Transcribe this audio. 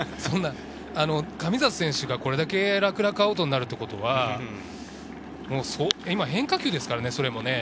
神里選手がこれだけ楽々アウトになるということは、今、変化球ですからね。